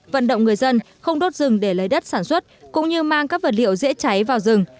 vận động người dân không đốt rừng để lấy đất sản xuất cũng như mang các vật liệu dễ cháy vào rừng